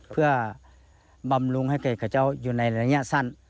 เพื่อบำรุงให้เจ้าอยู่ในระยะสั้น